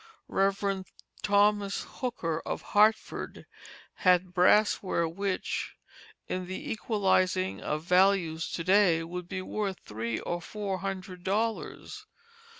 Rev. Thomas Hooker of Hartford had brass ware which, in the equalizing of values to day, would be worth three or four hundred dollars.